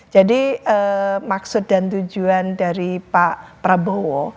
jadi maksud dan tujuan dari pak prabowo